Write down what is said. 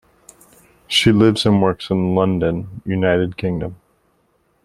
She lives and works in London, United Kingdom.